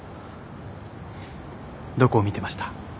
どこを見てました？